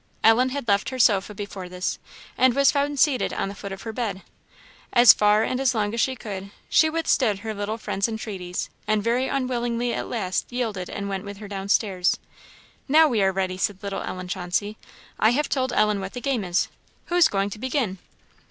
Ellen had left her sofa before this, and was found seated on the foot of her bed. As far and as long as she could, she withstood her little friend's entreaties, and very unwillingly at last yielded and went with her downstairs. "Now we are ready," said little Ellen Chauncey; "I have told Ellen what the game is; who's going to begin?"